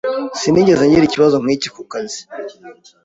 Sinigeze ngira ikibazo nkiki ku kazi.